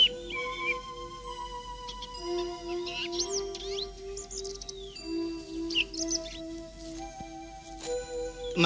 mau masuk pulang selesai